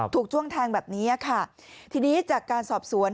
ช่วงแทงแบบนี้ค่ะทีนี้จากการสอบสวน